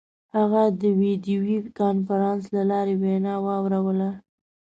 هغه د ویډیو کنفرانس له لارې وینا واوروله.